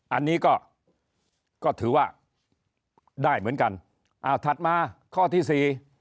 อันนี้ก็ก็ถือว่าได้เหมือนกันอ้าวถัดมาข้อที่สี่